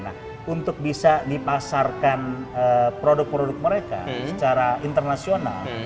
nah untuk bisa dipasarkan produk produk mereka secara internasional